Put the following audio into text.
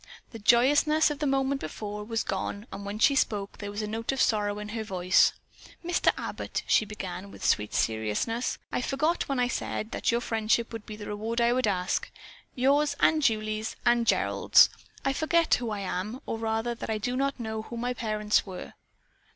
The joyousness of the moment before was gone and when she spoke there was a note of sorrow in her voice. "Mr. Abbott," she began with sweet seriousness, "I forgot when I said that your friendship would be the reward I would ask, yours and Julie's and Gerald's I forgot who I am, or rather that I do not know who my parents were.